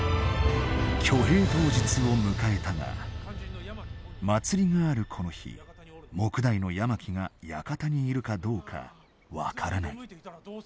挙兵当日を迎えたが祭りがあるこの日目代の山木が館にいるかどうか分からない。